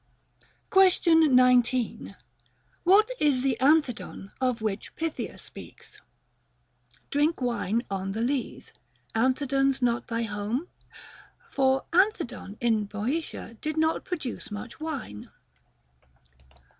Question 19. What is the Anthedon of which Pythia speaks, Drink wine on th' lees, Anthedon's not thy home f For Anthedon in Boeotia did not produce much wine.